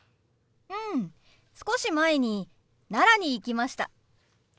うん少し前に奈良に行きました。